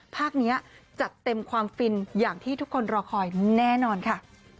ภาคนี้จัดเต็มความฟินอย่างที่ทุกคนรอคอยแน่นอนค่ะ